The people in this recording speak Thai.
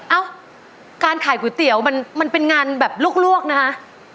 เอ้าการขายก๋วยเตี๋ยวมันเป็นงานแบบลวกนะคะ